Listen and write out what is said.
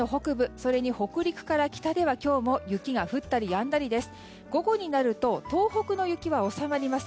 それに北陸から北では今日も雪が降ったりやんだりです。